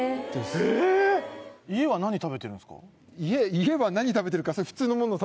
「家は何食べてるか」